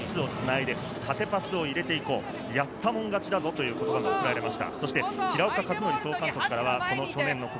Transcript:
パスをつないで縦パスを入れていこう、やったもん勝ちだぞという言葉が送られました。